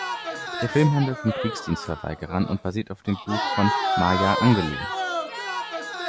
Der Film handelt von Kriegsdienstverweigerern und basiert auf dem Buch von Maya Angelou.